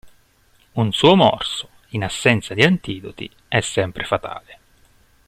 Un suo morso, in assenza di antidoti, è sempre fatale.